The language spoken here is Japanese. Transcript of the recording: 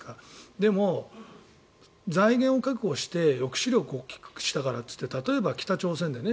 でも、財源を確保して抑止力を大きくしたからといって例えば北朝鮮だよね